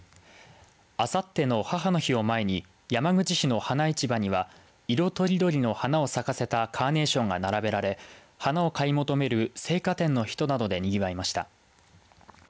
あさっての母の日を前に山口市の花市場には色とりどりの花を咲かせたカーネーションが並べられ花を買い求める生花店の人たちなどでにぎわいました。